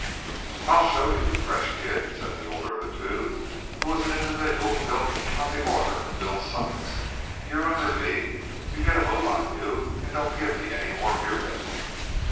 "I'll show you, you fresh kid," said the older of the two, who was an individual built on the order of "Bill Sykes." "You're under me. You get a move on you, and don't give me any more of your lip."